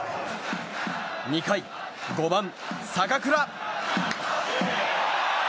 ２回５番、坂倉。